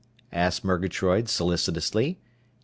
_" asked Murgatroyd solicitously.